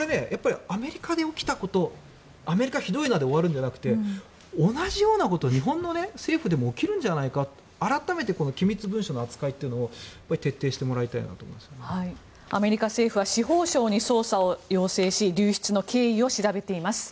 アメリカで起きたことアメリカひどいなで終わるんじゃなくて同じようなことが日本の政府でも起きるんじゃないかと改めて機密文書の扱いというのをアメリカ政府は司法省に捜査を要請し流出の経緯を調べています。